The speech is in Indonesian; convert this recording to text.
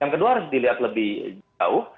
yang kedua harus dilihat lebih jauh